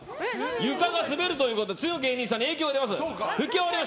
床が滑るということで次の芸人さんに影響が出ます。